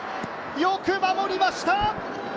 よく守りました。